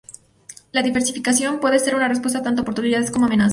La diversificación puede ser una respuesta tanto a oportunidades como a amenazas.